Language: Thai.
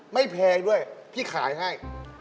แพงด้วยพี่ขายให้